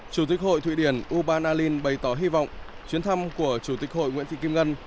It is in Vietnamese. chủ tịch hội thụy điển u ban alin bày tỏ hy vọng chuyến thăm của chủ tịch hội nguyễn thị kim ngân